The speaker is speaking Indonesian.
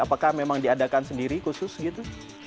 apakah memang diadakan sendiri khusus gitu